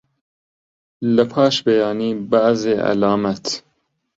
لەپاش بەیانی بەعزێ عەلامەت